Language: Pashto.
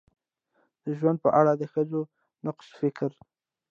چې د ژوند په اړه د ښځو ناقص فکر